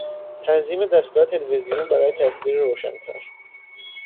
تنظیم دستگاه تلویزیون برای تصویر روشنتر